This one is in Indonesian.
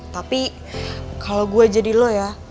tapi kalau gue jadi lo ya